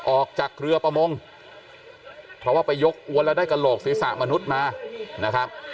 ออกจากเรือประมงเพราะว่าไปยกอวนแล้วได้กระโหลกศีรษะมนุษย์มานะครับ